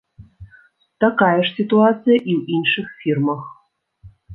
Такая ж сітуацыя і ў іншых фірмах.